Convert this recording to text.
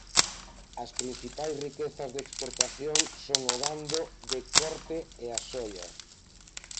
As principais riquezas de exportación son o gando de corte e a soia.